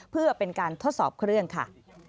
เพื่อเป็นการทดสอบเครื่องค่ะ